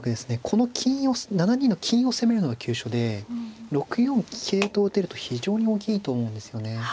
この金を７二の金を攻めるのが急所で６四桂と打てると非常に大きいと思うんですよね。